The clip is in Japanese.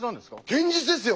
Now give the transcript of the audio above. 堅実ですよ